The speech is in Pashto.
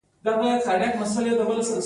د پوهنتون ژوند د ناکامۍ درس ورکوي.